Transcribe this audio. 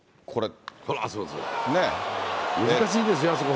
難しいですよ、あそこ、